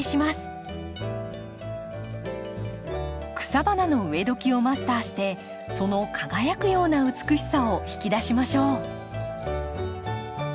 草花の植えどきをマスターしてその輝くような美しさを引き出しましょう。